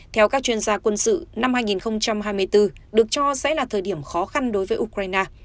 theo các chuyên gia quân sự năm hai nghìn hai mươi bốn được cho sẽ là thời điểm khó khăn đối với ukraine